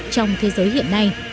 trong thế giới hiện nay